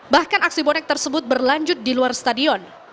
bahkan aksi bonek tersebut berlanjut di luar stadion